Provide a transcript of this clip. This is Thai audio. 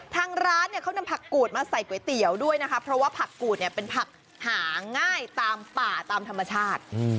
ทางร้านเนี่ยเขานำผักกูดมาใส่ก๋วยเตี๋ยวด้วยนะคะเพราะว่าผักกูดเนี่ยเป็นผักหาง่ายตามป่าตามธรรมชาติ